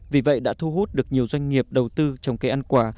vì vậy đã thu hút được nhiều doanh nghiệp đầu tư trồng cây ăn quả